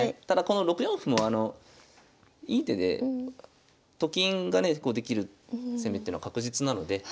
ただこの６四歩もいい手でと金がねできる攻めっていうのは確実なので。